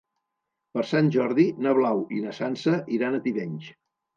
Per Sant Jordi na Blau i na Sança iran a Tivenys.